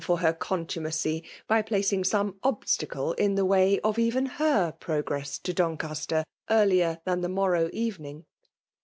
for her contumacy, by placing som^ obslaela in the Mray of even her pi*ogre8s to Doneastei^ •earlier' than the morrow evening.